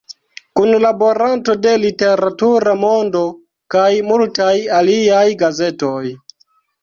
Kunlaboranto de "Literatura Mondo" kaj multaj aliaj gazetoj.